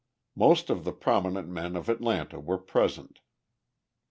Most of the prominent men of Atlanta were present.